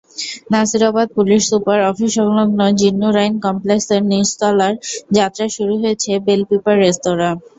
Nasirabad police super অফিস–সংলগ্ন জিন্নুরাইন কমপ্লেক্সের নিচতলায় যাত্রা শুরু করেছে বেলপিপার রেস্তোরাঁ।